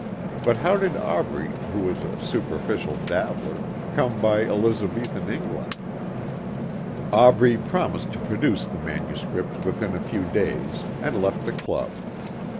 But how did Aubrey who was a superficial dabbler come by Elizabethan England? Aubrey promised to produce the manuscript within a few days and left the club.